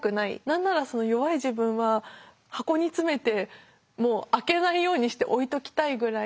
何ならその弱い自分は箱に詰めてもう開けないようにして置いときたいぐらい見たくなかった。